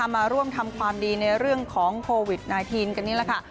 มาร่วมทำความดีในเรื่องของโควิด๑๙กันนี่แหละค่ะ